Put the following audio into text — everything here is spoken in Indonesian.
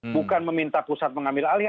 bukan meminta pusat mengambil alih